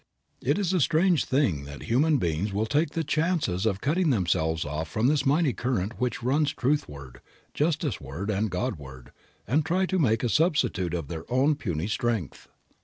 It is a strange thing that human beings will take the chances of cutting themselves off from this mighty current which runs truthward, justiceward, and Godward, and try to make a substitute of their own puny strength.